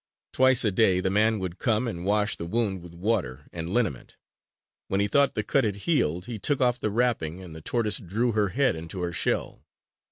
Twice a day the man would come and wash the wound with water and liniment. When he thought the cut had healed, he took off the wrapping and the tortoise drew her head into her shell.